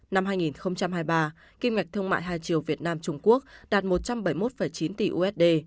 năm hai nghìn hai mươi ba kim ngạch thương mại hai triệu việt nam trung quốc đạt một trăm bảy mươi một chín tỷ usd